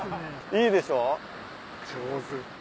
いいでしょ？